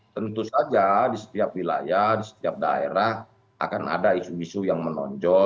tentu saja di setiap wilayah di setiap daerah akan ada isu isu yang menonjol